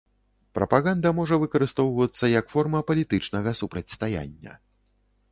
Прапаганда можа выкарыстоўвацца як форма палітычнага супрацьстаяння.